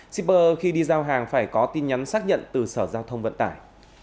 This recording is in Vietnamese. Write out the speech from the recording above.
shipper khi đi giao hàng phải có tin nhắn xác nhận từ sở giao thông vận tải